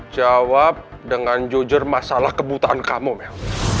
jawab dengan jojer masalah kebutuhan kamu mel